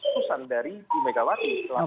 susun dari pimegawati selain